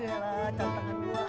aduh contohan gua